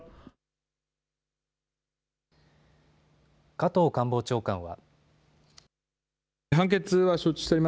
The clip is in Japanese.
加藤官房長官は。